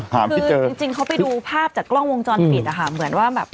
คือจริงเขาไปดูภาพจากกล้องวงจรปิดนะคะเหมือนว่าแบบ